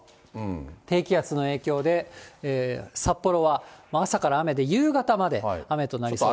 低気圧の影響で、札幌は朝から雨で、夕方まで雨となりそうです。